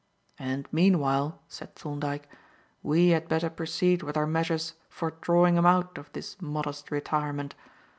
"And meanwhile," said Thorndyke, "we had better proceed with our measures for drawing him out of this modest retirement.